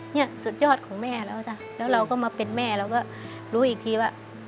เนี่ยสุดยอดของแม่แล้วจ้ะแล้วเราก็มาเป็นแม่เราก็รู้อีกทีว่า